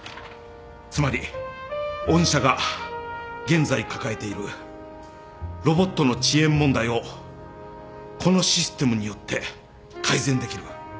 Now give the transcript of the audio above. つまり御社が現在抱えているロボットの遅延問題をこのシステムによって改善できる。